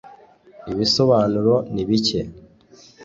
Ibisobanuro nibike.